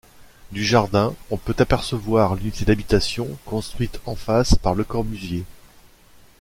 Du jardin on peut apercevoir l'unité d'habitation construite en face par Le Corbusier.